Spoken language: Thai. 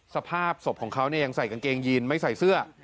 สภาพศพของเขายังใส่กางเกงยีนไม่ใส่เสื้อ